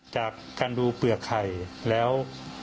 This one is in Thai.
จากการดูเปลือกไข่แล้ว